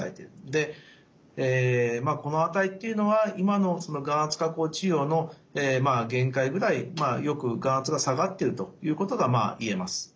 でこの値っていうのは今の眼圧下降治療の限界ぐらいよく眼圧が下がっているということが言えます。